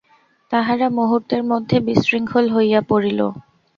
তাহারা মুহূর্তের মধ্যে বিশৃঙ্খল হইয়া পড়িল।